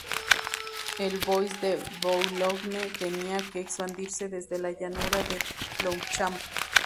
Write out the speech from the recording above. El bois de Boulogne tenía que expandirse desde la llanura de Longchamp.